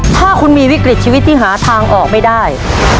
ถ้าคุณมีวิกฤตชีวิตที่หาทางออกไม่ได้